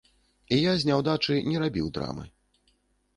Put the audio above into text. І я з няўдачы не рабіў драмы.